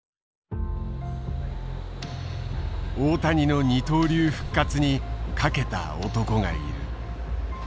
大谷の二刀流復活にかけた男がいる。